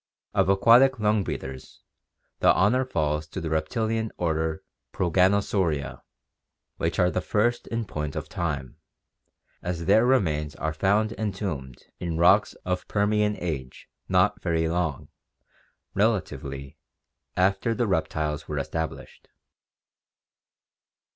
Of aquatic lung breathers, the honor falls to the reptilian order Proganosauria, which are the first in point of time, as their remains are found en tombed in rocks of Permian age not very long, relatively, after the reptiles were established.